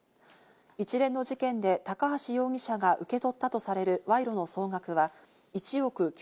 一連の事件で高橋容疑者が受け取ったとされる賄賂の総額は１億９０００万円